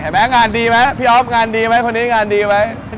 งานดีไหมพี่อ๊อฟงานดีไหมคนนี้งานดีไหม